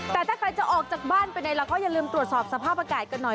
แต่ถ้าใครจะออกจากบ้านไปไหนเราก็อย่าลืมตรวจสอบสภาพอากาศกันหน่อย